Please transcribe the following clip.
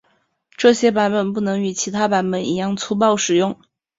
这些版本不能与其他版本一样粗暴使用。